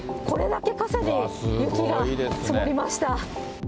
これだけ傘に雪が積もりました。